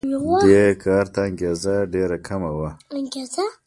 د دې کار ته انګېزه ډېره کمه وه.